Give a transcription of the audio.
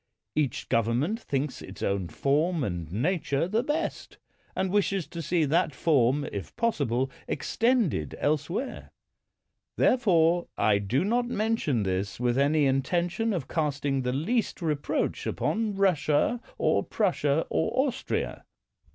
Each government thinks its own form and nature the best, and wishes to see that form, if possible, extended elsewhere. Therefore I do not mention this with any intention of casting the least reproach upon Russia, or Prussia, or Austria.